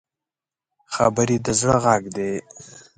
خبرې د زړه غږ دی